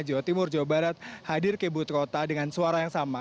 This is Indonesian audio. jawa timur jawa barat hadir ke ibu kota dengan suara yang sama